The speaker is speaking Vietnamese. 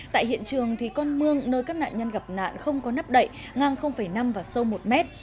tại hiện trường con mương nơi các nạn nhân gặp nạn không có nắp đậy ngang năm và sâu một mét